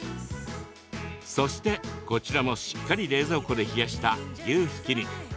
そして、こちらもしっかり冷蔵庫で冷やした牛ひき肉。